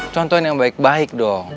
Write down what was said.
contohin yang baik baik dong